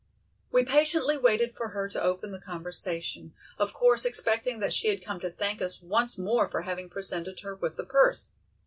We patiently waited for her to open the conversation, of course expecting that she had come to thank us once more for having presented her with the purse.